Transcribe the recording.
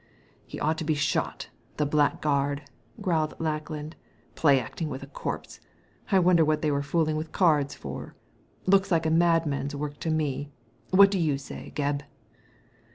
" He ought to be shot, the blackguard," growled Lackland, •* play acting with a corpse. I wonder what they were fooling with cards for ? Looks like a mad man's work to me. What do you say, Gebb